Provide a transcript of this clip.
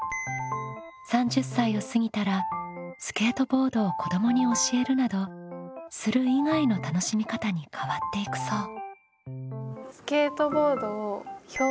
３０歳を過ぎたらスケートボードを子どもに教えるなど「する」以外の楽しみ方に変わっていくそう。